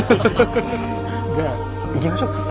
じゃあ行きましょうか。